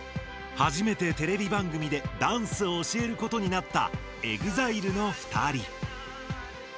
はじめてテレビ番組でダンスを教えることになったＥＸＩＬＥのふたり。